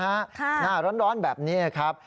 หน้าร้อนแบบนี้ครับ